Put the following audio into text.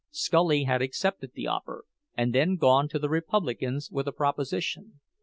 Scully had accepted the offer, and then gone to the Republicans with a proposition.